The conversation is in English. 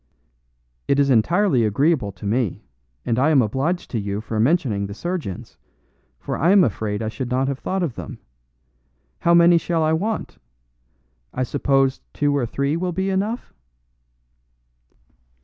"It is entirely agreeable to me, and I am obliged to you for mentioning the surgeons, for I am afraid I should not have thought of them. How many shall I want? I supposed two or three will be enough?"